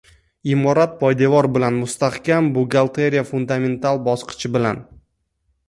Imorat poydevor bilan mustahkam, buxgalteriya- fundamental bosqichi bilan!